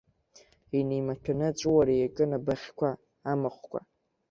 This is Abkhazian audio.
Инеимаҭәаны аҵәыуара иаҿын абыӷьқәа, амахәқәа.